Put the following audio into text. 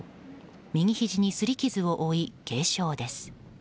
右ひじに擦り傷を負い、軽傷です。